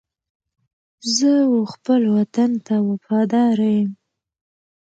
زه و خپل وطن ته وفاداره یم.